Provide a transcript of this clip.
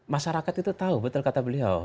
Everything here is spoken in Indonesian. masyarakat itu tahu betul kata beliau